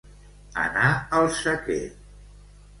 Anar al sequer.